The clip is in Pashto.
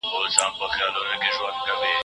ماشوم باید تمرکز وکړي.